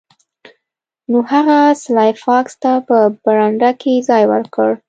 نو هغه سلای فاکس ته په برنډه کې ځای ورکړ